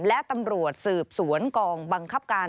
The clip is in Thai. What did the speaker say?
และตำรวจสืบสวนกองบังคับการ